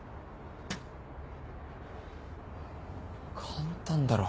簡単だろ。